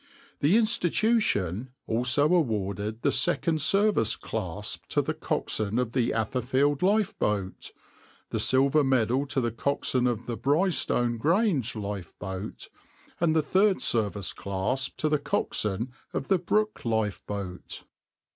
The institution also awarded the second service clasp to the coxswain of the Atherfield lifeboat, the silver medal to the coxswain of the Brighstone Grange lifeboat, and the third service clasp to the coxswain of the Brooke lifeboat.